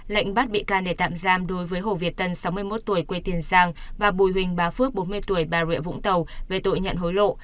lệnh bắt bị can để tạm giam đối với hồ việt tân sáu mươi một tuổi quê tiền giang và bùi huỳnh bá phước bốn mươi tuổi bà rịa vũng tàu về tội nhận hối lộ